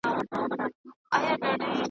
نه هیڅ خت ورته قسمت هسي خندلي .